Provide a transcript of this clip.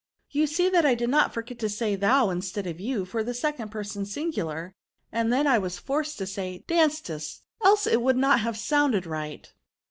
You see that I did not forget to say thou instead of you, for the second person singular; and then I was forced to say dance^^, else it would not have sounded right."